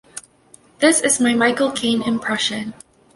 This is my Michael Caine impression.